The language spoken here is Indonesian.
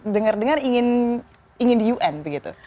dengar dengar ingin di un begitu